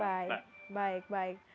baik baik baik